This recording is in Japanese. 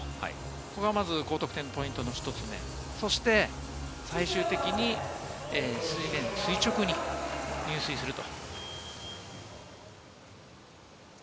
ここが高得点のポイントの一つで、そして最終的に水面に垂直に入水すると。